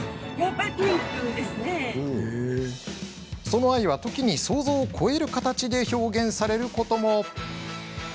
その愛は、時に想像を超える形で表現されることも。